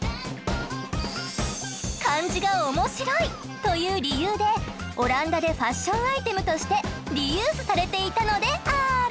漢字が面白い！という理由でオランダでファッションアイテムとしてリユースされていたのである！